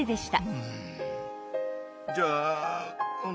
うん。